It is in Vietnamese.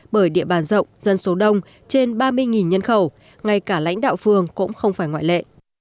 bởi địa bàn rộng dân số đông trên ba mươi nhân khẩu ngay cả lãnh đạo phường cũng không phải ngoại lệ